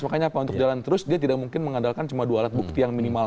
makanya apa untuk jalan terus dia tidak mungkin mengandalkan cuma dua alat bukti yang minimal